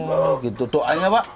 oh gitu doanya pak